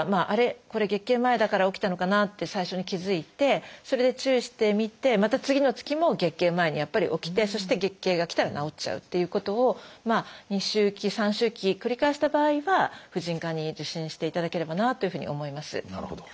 これ月経前だから起きたのかなって最初に気付いてそれで注意してみてまた次の月も月経前にやっぱり起きてそして月経がきたら治っちゃうということを２周期３周期繰り返した場合は婦人科に受診していただければなというふうに思います。